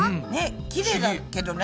きれいだけどね。